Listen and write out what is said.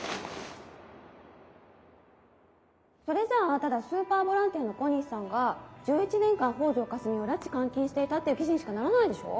それじゃあただスーパーボランティアの小西さんが１１年間北條かすみを拉致監禁していたっていう記事にしかならないでしょ？